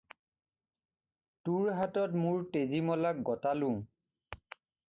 তোৰ হাতত মোৰ তেজীমলাক গতালোঁ।